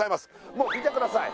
もう見てください